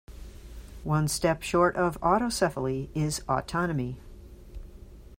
One step short of autocephaly is "autonomy".